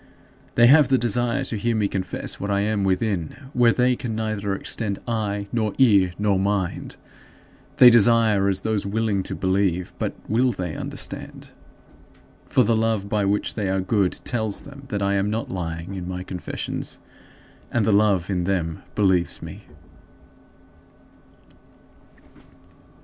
They have the desire to hear me confess what I am within, where they can neither extend eye nor ear nor mind. They desire as those willing to believe but will they understand? For the love by which they are good tells them that I am not lying in my confessions, and the love in them believes me.